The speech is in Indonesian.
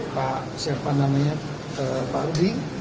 pak siapa namanya pak abdi